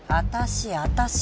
私私。